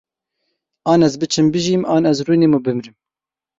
An ez biçim bijîm, an ez rûnim û bimirim.